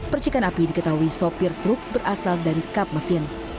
percikan api diketahui sopir truk berasal dari kap mesin